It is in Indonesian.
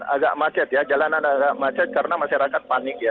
agak macet ya jalanan agak macet karena masyarakat panik ya